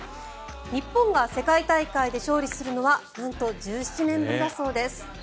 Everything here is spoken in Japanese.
日本が世界大会で勝利するのはなんと１７年ぶりだそうです。